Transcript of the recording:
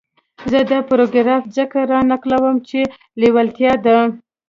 زه دا پاراګراف ځکه را نقلوم چې لېوالتیا ده.